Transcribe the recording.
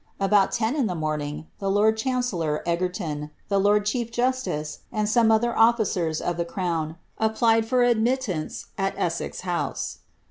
* About ten in the morning, the lord chancellor Egerton, the lord chief justice, and some other officers of the crown, s|>plied for admittance at Elssez House.